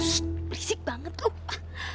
shhh berisik banget tuh